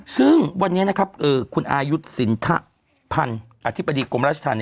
ซึ่งวันนี้นะครับคุณอายุสินทะพันธ์อธิบดีกรมราชธรรม